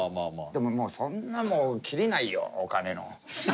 でもそんなもうキリないよお金の。